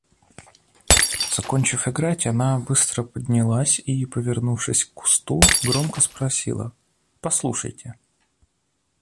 Закончив играть, она быстро поднялась и, повернувшись к кусту, громко спросила: – Послушайте!